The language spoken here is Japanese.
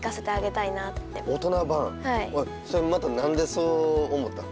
それはまた何でそう思ったの？